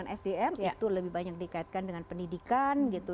infrastruktur kemudian pembangunan sdm itu lebih banyak dikaitkan dengan pendidikan gitu